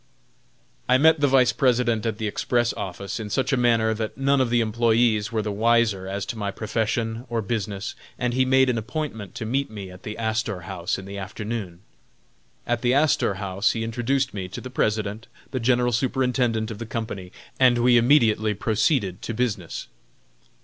I met the Vice President at the express office, in such a manner that none of the employés were the wiser as to my profession or business, and he made an appointment to meet me at the Astor House in the afternoon. At the Astor House he introduced me to the President, the General Superintendent of the company, and we immediately proceeded to business.